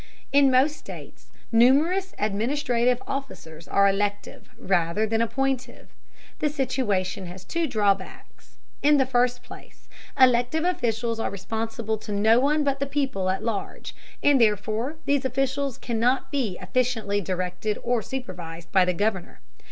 In most states numerous administrative officers are elective, rather than appointive. This situation has two drawbacks: In the first place elective officials are responsible to no one but the people at large, and therefore these officials cannot be efficiently directed or supervised by the Governor.